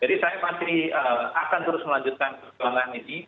jadi saya pasti akan terus melanjutkan kekeluargaan ini